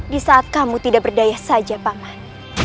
di saat kamu tidak berdaya saja paman